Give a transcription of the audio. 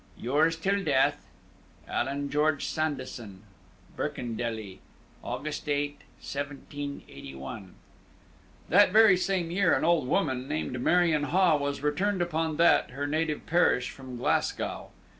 Yours till death, "ALLAN GEORGE SANDISON. "BIRKENDELLY, August 8, 1781." That very same year, an old woman, named Marion Haw, was returned upon that, her native parish, from Glasgow.